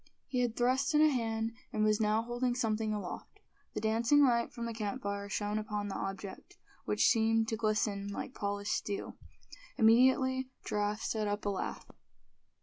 He had thrust in a hand, and was now holding something aloft. The dancing light from the campfire shone upon the object, which seemed to glisten like polished steel. Immediately Giraffe set up a laugh.